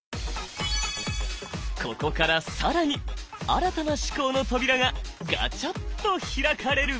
ここから更に新たな思考の扉がガチャッと開かれる！